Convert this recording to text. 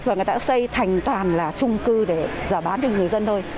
và người ta xây thành toàn là trung cư để giả bán cho người dân thôi